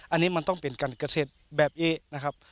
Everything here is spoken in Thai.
อันนี้มันต้องเป็นการเกษตรแบบนี้นะครับ